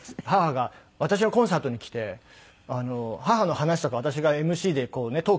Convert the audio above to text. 母が私のコンサートに来て母の話とかを私がＭＣでこうね